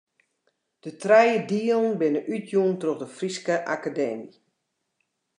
De trije dielen binne útjûn troch de Fryske Akademy.